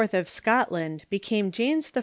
of Scotland became James I.